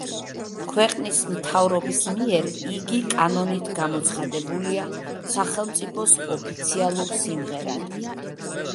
ქვეყნის მთავრობის მიერ იგი კანონით გამოცხადებულია სახელმწიფოს ოფიციალურ სიმღერად.